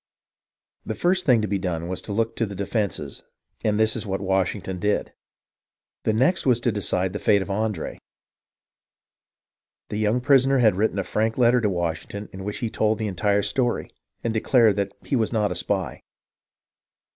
The first thing to be done was to look to the defences, and this was what Washington did. The next was to decide as to the fate of Andre. The young prisoner had written a frank letter to Washington in which he told the entire story, and declared that he was not a spy.